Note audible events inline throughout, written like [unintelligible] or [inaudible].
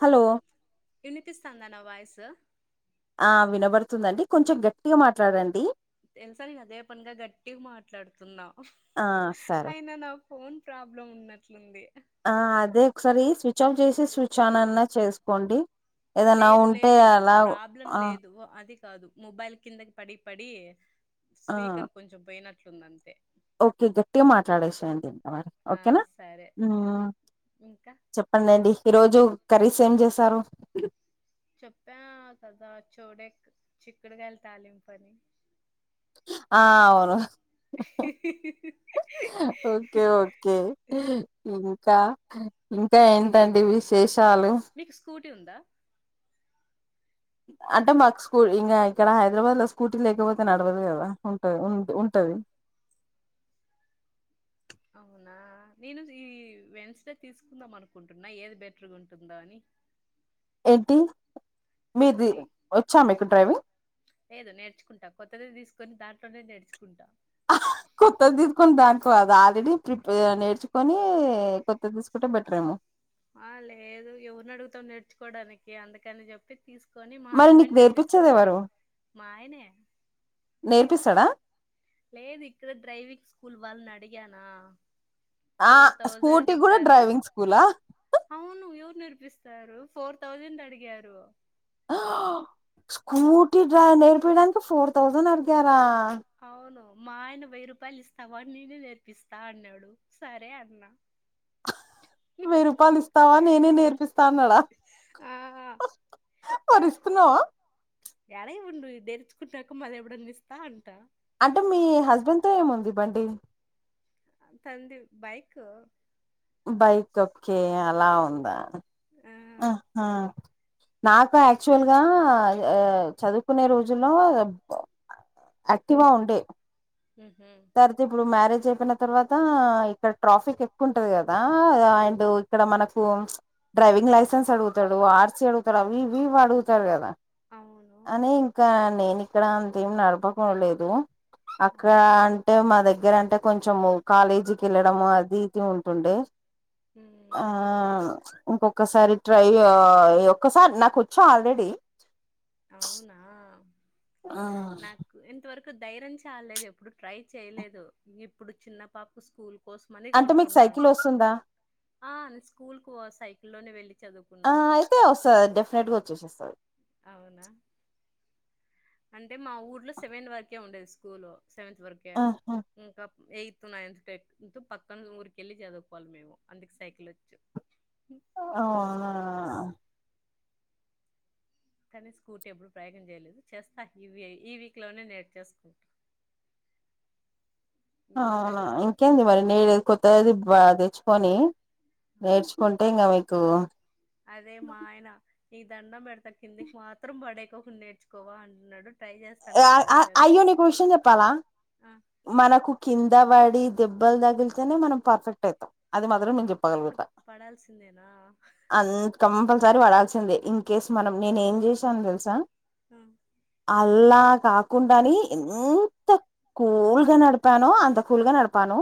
Hello ఇనిపిస్తాందా నా voice ఆ వినబడుతుందండి కొంచం గట్టిగా మాట్లాడండి తెల్సా నేను అదే పన్గా గట్టిగ్ మాట్లాడుతున్నా ఆ సరే అయినా నా ఫోన్ ప్రాబ్లం ఉన్నట్లుంది ఆ అదే ఒకసారి స్విచ్ ఆఫ్ జేసి స్విచ్ ఆనన్నా చేస్కోండి ఆ లేదు లేదు ప్రాబ్లం ఆ లేదు అది కాదు ముబైల్ కిందకి ఆ పడిపడిస్పీకర్ కొంచం పోయినట్లుందంతే ఓకే గట్టిగా మాట్లాడేసేయండి మరి ఆ ఓకేనా సరే ఊమ్ ఇంకా చెప్పండండి ఈ రోజు కర్రీస్ ఏం జేశారు చెప్యా కదా చౌడెక్ చిక్కుడుగాయల్ తాలింపని ఆ అవును ఓకే ఓకే ఇంకా ఇంకా ఏంటండి విశేషాలు మీకు స్కూటీ ఉందా అంటే మాకు స్కూ ఇంకా ఇక్కడ హైదరాబాద్ లో స్కూటీ లేకపోతే నడవదు కదా ఉంట ఉం ఉంటది అవునా నేను ఈ వెన్స్ డే తీసుకుందాం అనుకుంటున్నా ఏది బెటర్గా ఉంటుందా అని ఏంటి మీది స్కూటీ వచ్చా మీకు డ్రైవింగ్ లేదు నేర్చుకుంటా కొత్తదె తీసుకొని దాంట్లోనే నేర్చుకుంటా అహ్ కొత్తది తీసుకుని దాంట్లో అది ఆల్రెడీ ప్రిప నేర్చుకొని కొత్తది తీసుకుంటే బెటరెమో ఆ లేదు ఎవరుని అడుగుతాం నేర్చుకోవడానికి అందుకని చెప్పి తీసుకు కొని మా మరి నీకు హస్బెండ్ నేర్పించేది ఎవరు నేర్పిస్తాన్నాడు మా ఆయనే నేర్పిస్తాడా లేదు ఇక్కడ డ్రైవింగ్ స్కూల్ వాళ్ళని అడిగానా ఆ ఫోర్ థౌజండ్ స్కూటీ కూడా చెప్పారు డ్రైవింగ్ స్కూలా అవును ఎవరు నేర్పిస్తారు ఫోర్ థౌజండ్ అడిగారు హా స్కూటీ డై నేర్పియడానికి ఫోర్ థౌజండ్ అడిగారా అవును మా ఆయన వెయ్యి రూపాయలు ఇస్తావ నేనే నేర్పిస్తా అన్నాడు సరే అన్నా వెయ్యి రూపాయలు ఇస్తావా నేనే నేర్పిస్తాన్నాడా ఆ మరి ఇస్తున్నావా ఎలా ఉండు నేర్చుకున్నాక మళ్ళ ఎప్పుడన్న ఇస్తా అంటా అంటే మీ హస్బెండ్ తో ఏముంది బండి తంది బైక్ బైక్ ఓకే అలా ఉందా ఆ ఆ నాకు ఇ యాక్చువల్ గా చదువు కొనే రోజుల్లో యాక్టివ్గా ఉండే హహ తర్వాత ఇప్పుడు మ్యారేజ్ అయిపోయిన తర్వాత ఇక్కడ ట్రాఫిక్ ఎక్కువ ఉంటది కదా అండ్ ఇక్కడ మనకు డ్రైవింగ్ లైసెన్స్ అడుగుతాడు ఆర్సి అడుగుతాడు అవి ఇవి అడుగుతారు కదా అవును అని ఇంకా నేను ఇక్కడ అంతేం నడపకో లేదు అక్కడ అవును అంటే మా దగ్గర అంటే కొంచెము కాలేజీకి వెళ్ళడము అది ఇది ఉంటుండే ఆ ఉమ్ ఇంకొ సారి ట్రై ఒక్కసారి నాకు వచ్చు ఆల్రెడీ అవునా ఆ నాకు ఇంతవరకు ధైర్యం చాలలేదు ఎప్పుడు ట్రై చేయలేదు ఇప్పుడు చిన్న పాప స్కూల్ కోసమని అంటే మీకు కొంటున్నాను సైకిల్ వస్తుందా ఆ స్కూల్ కు సైకిల్ల్లో వెళ్ళి ఆ చదువుకున్నా అయితే వస్తది డెఫినెట్ గా వచ్చేసేస్తది అవునా అంటే మా ఊర్లో సెవెన్ వరకే ఉండేది స్కూల్ సెవెంత్ వరకే ఆహా ఇంకా ఎయిత్ నైన్త్ టెన్త్ పక్కన ఊరికెళ్ళి చదువుకోవాలి మేము అందుకు సైకిల్ వచ్చు ఆ కానీ స్కూటీ ఎప్పుడు ప్రయోగం చేయలేదు చేస్తా ఈ ఈ వీక్ లోనే నేర్చేసుకుంటా అ ఇంకా అవునా ఇంకేంది మరి నేడది కొత్తది బాగా తెచ్చుకొని ఆ. నేర్చుకుంటే ఇంకా మీకు అదే మా ఆయన నీ దండం పెడత కిందికి మాత్రం పడేకోకు నేర్చుకోవా అంటున్నాడు. ట్రై అ చేస్తానని అయ్ చెప్పాను అయ్యో నీకు విషయం చెప్పాలా ఆ మనకు కింద బడి దెబ్బలు తగిలితేనే మనం పర్ఫెక్ట్ అవుతాం అది మాత్రం మేము చెప్తాం పగలగొట్ట పడాల్సిందేనా అంత్ కంపల్సరీ పడాల్సిందే ఇన్ కేస్ మనం నేను ఏం చేసాను తెలుసా ఉ అల్లా కాకుంటని [inaudible] కూల్ గా నడిపాను, అంత కూల్ గా నడిపాను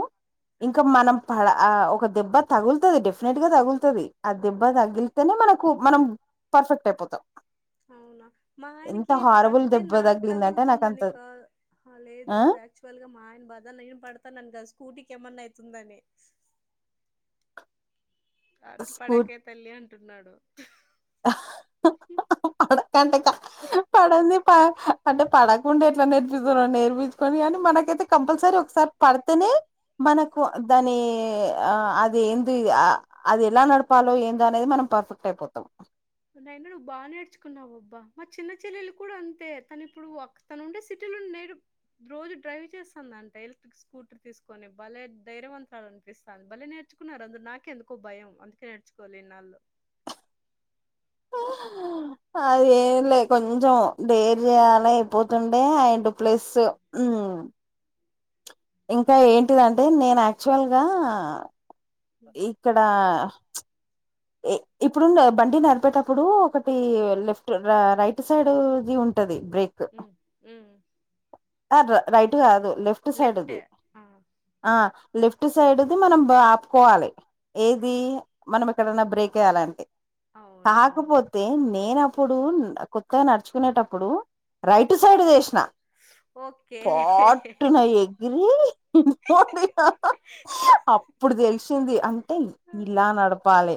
ఆ ఇంకా మనం పడ ఆ ఒక దెబ్బ తగులుతది డెఫినెట్ గా తగులుతది ఆ దెబ్బ తగిలితేనే మనకు మనం పర్ఫెక్ట్ అయిపోతాం అవునా మా ఎంత ఆయనకి హారబుల్ పడితే దెబ్బ నాకు తగిలిందంటే నాకు అంత తగులుతుందనికా ఆ లేదు యా క్చువల్ గా మా ఆయన బాధ నేను పడతానను గాదు స్కూటీకి ఏమన్నా అయితుందని అట్ స్కూ పడకే తల్లి అంటున్నాడు. [inaudible] పడంది ప అంటే పడకుండా ఎట్లా నేర్పిస్తరో నేర్పించుకొని కాని మనకైతే కంపల్సరీ ఒకసారి పడితేనే మనకు దాని అ అది ఏంది అ అది ఎలా నడపాలో ఏంద అనేది మనం పర్ఫెక్ట్ అయిపోతాం నువు ఎన్నడు నువ్వు బాగ నేర్చుకున్నావబ్బా మా చిన్న చెల్లెలు కూడా అంతే తను ఇప్పుడు ఒక్ తను ఉండే సిటీలో నేడు రోజు డ్రైవ్ చేస్తుందంట హెల్త్క్ స్కూటర్ తీసుకొని భలే ధైర్యవంతలు అనిపిస్తంది భలే నేర్చున్నాడు అందు నాకే ఎందుకో భయం అందుకే చ్చుకోలేని నాళ్ళు ఓ అదేం లే కొంచెం డేర్ చేయాలే అయిపోతుండే అండ్ ప్లస్ ఉ ఇంకా ఏంటిదంటే నేను ఆక్చువల్గా ఉమ్, ఇక్కడ ఇ ఇప్పుడు బండి నడిపేటప్పుడు ఒకటి లెఫ్ట్, రైట్ సైడ్ ది ఉంటది బ్రేక్ ఉమ్ ఆ రైట్ కాదు లెఫ్ట్ సైడ్ ది ఆ లెఫ్ట్ సైడ్ ది మనం ఆపుకోవాలి ఏది మనం ఇప్ ఎక్కడన్నా బ్రేక్ వేయాలి అంతే అవునవును కాకపోతే తే నేనప్పుడు కొత్తగా నడుచుకునేటప్పుడు ఆ, రైట్ సైడ్ ది ఏసిన ఓకే పాట్టున ఎగ్ వెరీ ఇంపార్టెంట్ [inaudible] అప్పుడు తెలుసు తింది అంటే ఇలా నడపాలి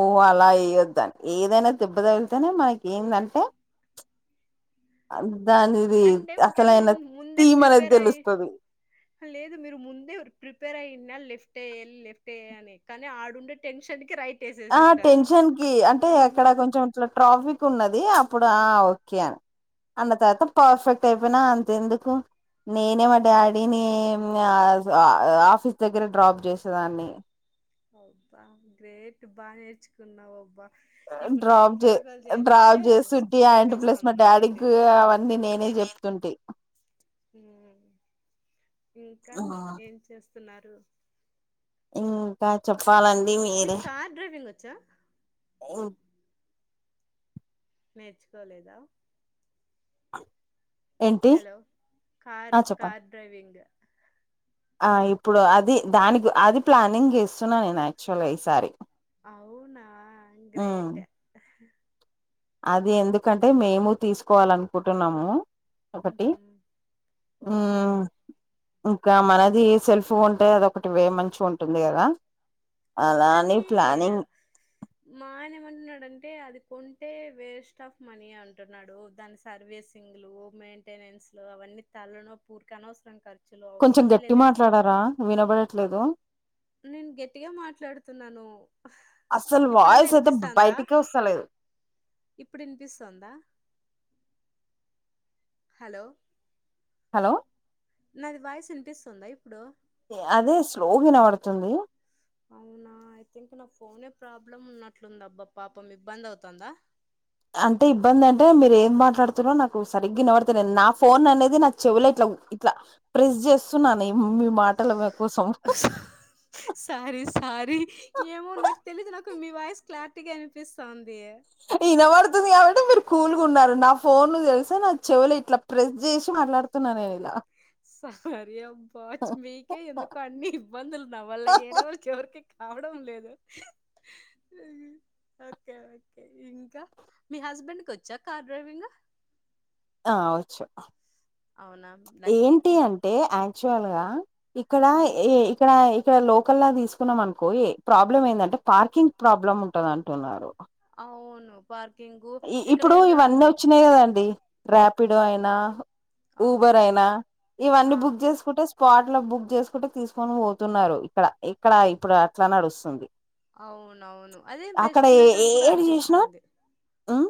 ఓ అవు అలా వేయొద్దని ఏదైనా దెబ్బ తలితేనే మనకి ఏందంటే అంతానిది అంటే ఒకవేళ అసలైనా మనం ముందే థీమ్ అనేది ప్రిపేర్ అయి తెలుస్తది లేదు మీరు ముందే ప్రిపేర్ అయిన్నా లెఫ్ట్ ఎయ్యాలే లెఫ్ట్ ఎయ్యాలే కానీ ఆడుండే టెన్షన్ కి రైట్ ఆ వేసేసింటారు టెన్షన్ కి అంటే అక్కడ ఉమ్ కొంచం ఇట్లా ట్రాఫిక్ ఉన్నది అప్పుడు ఆ ఉ ఓకే అని అన్న తర్వాత పర్ఫెక్ట్ అయిపోయినా అంతెందుకు నేనే మా డాడీ నేనే ఏం ఆ ఆఫీస్ దగ్గర డ్రాప్ చేసేదాన్ని ఒబ్బా గ్రేట్ బాగా నేర్చుకున్నావబ్బా ఏ డ్రాప్ చేస్ డ్రాప్ చేస్తుటి అడ్ ప్లస్ భయమేస్తాంది మా నాకైతే డాడీకి అవన్నీ నేనే చెప్ తుంటి ఉ ఇంకా ఏం చేస్తున్నారు ఉమ్ ఇంకా చెప్పాలండి మీ నిక్ కార్ డ్రైవింగ్ వచ్చా ఉ నేర్చుకోలేదా ఏంటి హలో కార్ ఆ చెప్పండి కార్ డ్రైవింగ్ ఆ ఇప్పుడు అది దానికి అది ప్లానింగ్ చేస్తున్నా నేను యాక్చువల్ ఈసారి అవునా ఉమ్ గ్రేట్ అది ఎందుకంటే మేము తీసుకోవాలనుకుంటున్నాము ఒకటి ఉహు ఓకే ఉమ్ ఇంకా మనది సెల్ఫ్ ఉంటే అదొ ఒకటి వే మంచిగా ఉంటుంది కదా అవును అలా కానీ అని ప్లానింగ్ మా ఆయన ఏమంటున్నాడంటే అది కొంటే వేస్ట్ ఆఫ్ మనీ అంటున్నాడు దాని సర్వీసింగ్లు మెయింటెనెన్స్లు అవన్నీ తలనొప్పి ఉరికే అనవసరంగా కర్చ్ కొంచం గట్టి మాట్లాడారా ఆ, వినబడట్లేదు నేను గట్టిగా మాట్లాడుతున్నాను ఇప్పుడన్నా ఇనిపిస్తాందా లేదు ఇప్పుడునిపిస్తుందా హలో హలో నాది వాయిస్ వినిపిస్తుందా ఇప్పుడు అదే స్లోగ ఇనబడుతుంది అవునా ఐ థింక్ నా ఫోనే ప్రాబ్లమ్ ఉన్నట్లుందబ్బా పాపం ఇబ్బంది అవుతుందా అంటే ఇబ్బంది అంటే మీరు ఏం మాట్లాడుతునారో నాకు సరిగ్గానబడుతేను నా ఫోన్ అనేది నాకు చెవులే ఇట్లా ఇట్లా ప్రెస్ చేస్తున్నాను మీ మాటల కోసం సారీ సారీ ఏమో నాకు తెలిదు నాకు మీ వాయిస్ క్లారిటీగా ఇనిపిస్తాంది వినబడుతుంది కాబట్టి మీరు కూలుగా ఉన్నారు నా ఫోన్ ను తెలిసే నా చెవుల ఇట్లా ప్రెస్ చేసి మాట్లాడుతున్నా నేను ఇలా సారి అబ్బ మీకే ఎందుకో అన్ని ఇబ్బందులు నా వల్ల ఏ రోజ్ ఎవరికి కావడం లేదు ఓకే ఓకే ఇంకా మీ హస్బెండ్ కొచ్చా కార్ డ్రైవింగ్ ఆ వచ్చు అవునా! లక్కీ. ఏంటి హ్మ్. అంటే ఆక్చువల్ గా ఇక్కడ ఆ! ఏ ఇక్కడ ఏ ఇక్కడ లోకల్ లా తీసుకున్నాం అనుకో ప్రాబ్లం ఏందంటే పార్కింగ్ ప్రాబ్లం ఉంటది అంటున్నారు అవును పార్కింగు ఇప్పుడు ఎక్కడికైనా ఇవన్నీ వచ్చినాయి కదండి ర్యాపిడో హ్మ్. అయినా ఊబర్ అవును. అయినా ఆ! ఇవన్నీ బుక్ చేసుకుంటే స్పాట్ లో బుక్ చేసుకుంటే తీసుకొని పోతున్నారు ఇక్కడ ఇక్కడ ఇప్పుడు అట్లా నడుస్తుంది అవునవును అదే అక్కడ బెస్ట్ ఏ మెథడ్ కూడా ఏది చేసినా అనిపిస్తంది ఉమ్,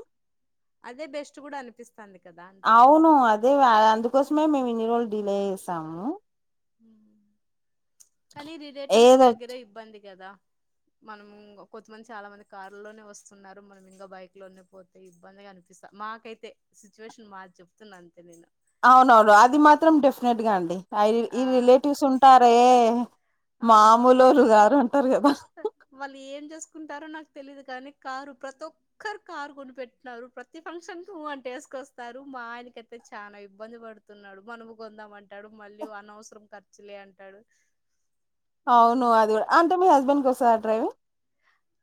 అదే బెస్ట్ కూడా అనిపిస్తాంది కదా అంతే అవును అదే అందుకోసమే మేము ఇన్ని రోజులు డిలే చేసాము కానీ రిలేటివ్స్ ఏదో దగ్గరే ఇబ్బంది కదా మనం కొంతమంది చాలా మంది కారులోనే వస్తున్నారు మనం ఇంకా బైక్ లోనే పో అ ఇబ్బందిగా అనిపిస్తా మాకైతే సిచ్యువేషన్ మాది చెప్తున్నా అంతే నేను అవునవును అది మాత్రం డెఫినెట్ గా అండి అ ఆ ఈ రిలేటివ్స్ ఉంటారే ఆ మామూలురు గారు అంటారు కదా వాళ్ళు ఏం చేసుకుంటారో నాకు తెలీదు కానీ కారు ప్రతి ఒక్క ఒక్కరు కారు కొన్ని పెట్టినన్నారు ప్రతి ఫంక్షన్ కు ఉం అంటే ఏసుకొస్తారు మా ఆయనకైతే చాలా ఇబ్బంది పడుతా తున్నాడు మనము కొందామ అంటాడు మళ్ళీ అనవసరం ఖర్చులే అంటాడు అవును అందు అది కూడా అంటే మీ హస్బెండ్ కి వస్తాద డ్రైవింగ్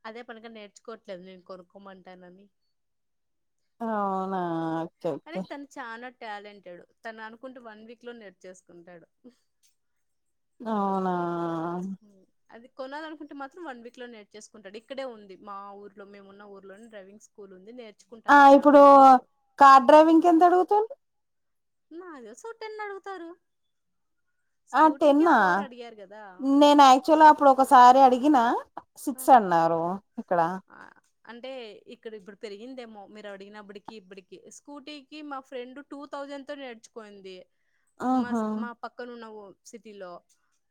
అదే పనీగా నేర్చుకోట్లేదు నేను కొనుక్కోమంటానని అవునా అయితే అయితే చానా టాలెంటెడ్ తను అనుకుంటే వన్ వీక్ లో నేర్చేసుకుంటాడు అవునా అది కొనాలనుకుంటే మాత్రం వన్ వీక్ లో నేర్చేసుకుంటాడు ఇక్కడే ఉంది మా ఊర్లో మేము ఉన్న ఊర్లోనే డ్రైవింగ్ స్కూల్ ఉంది ఆ నేర్చుకుంటా అన్నాడు ఇప్పుడు ఒకాలి తీసుకో కార్ డ్రైవింగ్ ఎంత అడుగుతుంది నాకు తెలిసి ఒక టెన్ అడుగుతారు ఆ స్కూటీకే ఫోర్ అడిగారు కదా [unintelligible] యాచులో అప్పుడు ఒకసారి అడిగిన ఆ సిక్స్ అన్నారు ఇక్కడ ఆ అంటే ఇక్కడ ఇప్పుడు పెరిగిందేమో మీరు అడిగినప్పటికి ఇప్పటికి స్కూటీకి మా ఫ్రెండ్ టూ థౌజండ్ తో నేర్చుకుంది మా ఆహా మా పక్కనున్న ఓ సిటీలో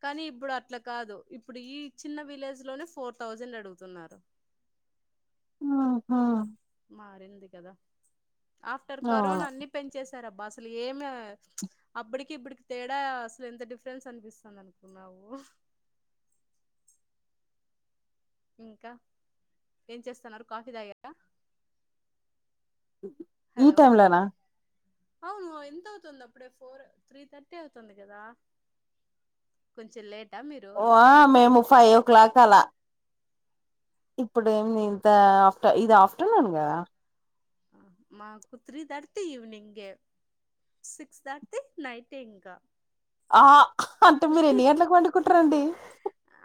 కానీ ఇప్పుడు అట్లా కాదు ఇప్పుడు ఈ చిన్న విలేజ్ లోనే ఫోర్ థౌజండ్ అడుగుతున్నారు ఆహా మారింది కదా ఆఫ్టర్ అవును కరోనా అన్ని పెంచేసారు అబ్బా అసలు ఏమి అప్పటికి ఇప్పటికి తేడా అసలు ఎంత డిఫరెన్స్ అనిపిస్తుంది అనుకున్నావు ఇంకా ఏం చేస్తున్నారు కాఫీ తాగారా ఈ హలో టైమ్ లోనా అవును ఎంత అవుతుంది అప్పుడే ఫోర్ త్రీ థర్టీ అవుతుంది కదా కొంచెం లేటా మీరు ఆ మేము ఫైవ్ ఓ క్లాక్ అలా ఇప్పుడ ఏమి ఇంత ఆఫ్టర్ ఇది ఆఫ్టర్నూన్ కదా ఆ మాకు త్రీ దాటితే ఈవ్నింగే సిక్స్ దాటితే నైట్ ఇంకా ఆ అంటే మీరు ఎన్ని గంట్లకు పండుకుంటారండి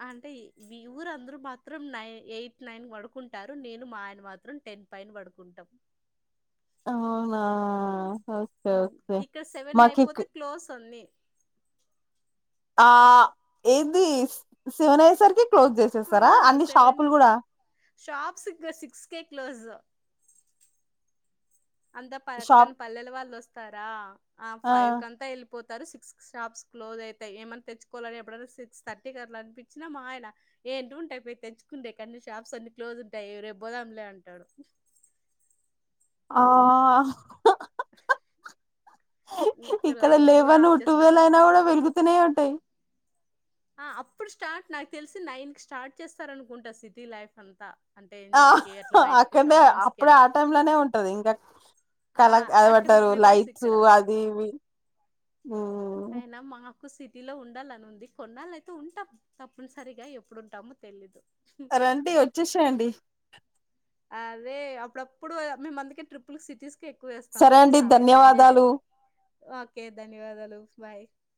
అంటే ఈ ఊరుందరూ మాత్రం నైన్ ఎయిట్ నైన్ పడుకుంటారు నేను మా ఆయన మాత్రం టెన్ పైన పడుకుంటాం అవునా ఓకే ఉం ఓకే ఇక్కడ సెవెన్ మాకు ఇక్ అయిపోతే క్లోస్ అన్నీ ఆ ఏంది సెవెన్ అయ్యే సరికి క్లోజ్ చేస్త ఆ సెవెన్ కేె షాప్స్ సిక్స్ కేె క్లోజ్ అంతా పక్కన షాప్ పల్లెల వాళ్ళు వస్తారా ఆ ఫైవ్ కంతా వేల్లి పోతారు సిక్స్ షాప్స్ క్లోజ్ అయితాయి ఏమన్నా తెచ్చుకోవాలని ఎప్పుడన్నా సిక్స్ థర్టీకి అట్లా అనిపించినా మా ఆయన ఏంటి ఉంటాయి పోయి తెంచుకుంటే కానీ షాప్స్ అన్ని క్లోజ్ ఉంటాయి రేపు పోదాంలే అంటాడు ఆ ఇంకా ఇక్కడ లైట్స్ కూడా లెవన్ ఆఫ్ చేస్తారు ట్వెల్వ్ అయినా కూడా వెలుగుతూనే ఉంటాయి ఆ అప్పుడు స్టార్ట్ నాకు తెలిసి నైన్ కి స్టార్ట్ చేస్తారనుకుంట సిటీ లైఫ్ అంతా అంటే ఆ ఎంజాయ్ కి అట్లా బయటికి అక్కడ్నే షాపింగ్స్ కి అప్పుడే ఆ అట్లా టైమ్లనే ఉంటది ఇంకా. ఆ కలక్ అక్కడ ఏమంటరు రివర్స్ లైట్స్ ఇక్కడ అది ఇవి. అయినా మా కు సిటీలో ఉండాలని ఉంది, కొన్నాళ్ళయితే ఉంటాం తప్పనిసరిగా ఎప్పుడుంటామో తెలీదు. రండి వచ్చేశేయండి. అదే అప్పుడప్పుడు మేమందుకే ట్రిప్పులు సిటీస్కి ఎక్కువ వేస్తాం సరే అండి తెలుసా ఆ లైఫ్ ఎంజాయ్ ధన్యవాదాలు చెయ్యాలి. ఒకే ధన్యవాదాలు బాయ్.